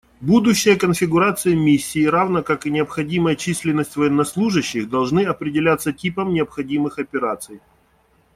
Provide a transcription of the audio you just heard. Будущая конфигурация Миссии, равно как и необходимая численность военнослужащих, должны определяться типом необходимых операций.